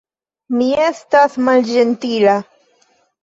Mi estas malĝentila.